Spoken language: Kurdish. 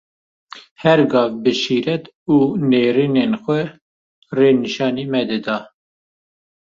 Her gav bi şîret û nêrînên xwe, rê nîşanî me dide.